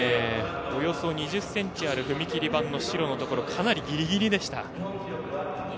およそ２０ｃｍある踏切板の白のところかなりギリギリでした。